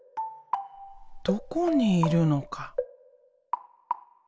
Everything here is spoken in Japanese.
どこにいるのか。